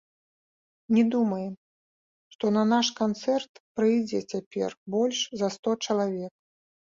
Не думаем, што на наш канцэрт прыйдзе цяпер больш за сто чалавек.